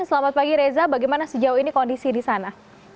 selamat pagi reza bagaimana sejauh ini kondisi di sana